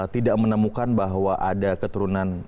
tidak menemukan bahwa ada keturunan